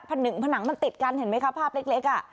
ผนังมันติดกันเห็นไหมคะภาพเล็กอ่ะ